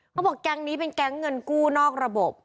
แก๊งนี้เป็นแก๊งเงินกู้นอกระบบ